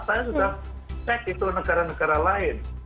saya sudah cek itu negara negara lain